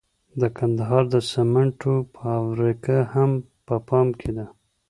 د کندهار د سمنټو فابریکه هم په پام کې ده.